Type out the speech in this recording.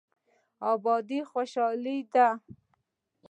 ابادي خوشحالي ده.